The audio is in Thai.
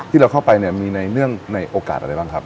ที่เราเข้าไปเนี่ยมีในโอกาสอะไรบ้างครับ